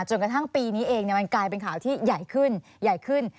จนกระทั่งปีนี้เองมันกลายเป็นข่าวที่ใหญ่ขึ้นใหญ่ขึ้น